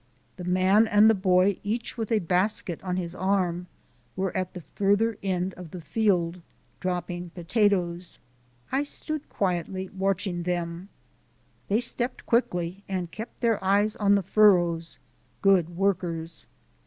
The man and the boy, each with a basket on his arm, were at the farther end of the field, dropping potatoes. I stood quietly watching them. They stepped quickly and kept their eyes on the furrows: good workers.